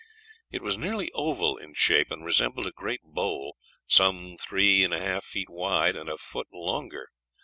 It was nearly oval in shape, and resembled a great bowl some three feet and a half wide and a foot longer.